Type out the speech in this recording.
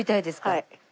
はい。